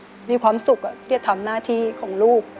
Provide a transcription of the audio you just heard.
พี่โอรู้สึกมีความสุขที่จะทำหน้าที่ของลูก